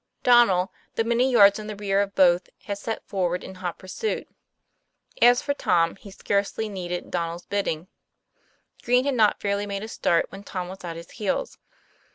Donnel, though many yards in the rear of both, had set forward in hot pursuit. As for Tom, he scarcely needed Donnel's bidding. Green had not fairly made a start when Tom was at his heels.